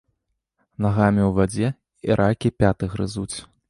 Нагамі ў вадзе, і ракі пяты грызуць.